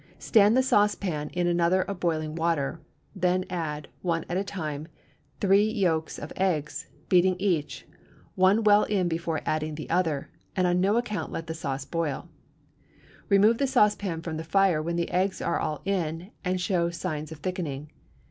Stand the saucepan in another of boiling water; then add, one at a time, three yolks of eggs, beating each, one well in before adding another, and on no account let the sauce boil. Remove the saucepan from the fire when the eggs are all in and show signs of thickening.